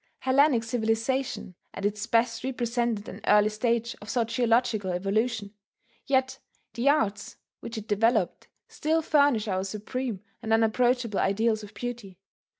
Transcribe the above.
Hellenic civilization at its best represented an early stage of sociological evolution; yet the arts which it developed still furnish our supreme and unapproachable ideals of beauty.